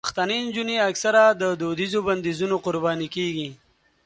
پښتنې نجونې اکثره د دودیزو بندیزونو قرباني کېږي.